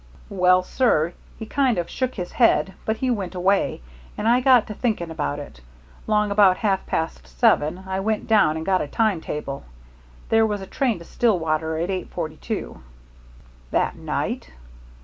Well, sir, he kind of shook his head, but he went away, and I got to thinking about it. Long about half past seven I went down and got a time table. There was a train to Stillwater at eight forty two." "That night?"